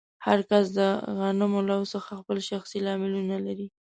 هر کس د غنملو څخه خپل شخصي لاملونه لري.